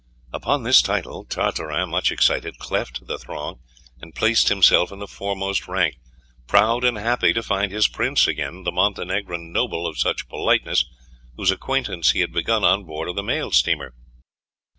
Upon this title Tartarin, much excited, cleft the throng and placed himself in the foremost rank, proud and happy to find his prince again, the Montenegrin noble of such politeness whose acquaintance he had begun on board of the mail steamer.